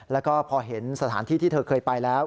แล้วก็พอเห็นสถานที่ที่เธอเคยไปแล้ว